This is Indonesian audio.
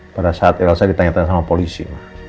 pada saat ilsa ditanyakan sama polisi